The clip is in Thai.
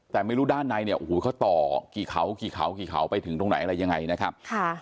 แต่ไม่รู้ด้านในเนี่ยโอ้โหเขาต่อกี่เขากี่เขากี่เขาไปถึงตรงไหนอะไรยังไงนะครับ